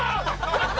やった！